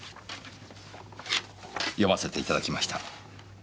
読ませていただきました。